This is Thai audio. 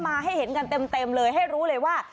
ให้เห็นกันเต็มเลยให้รู้เลยว่า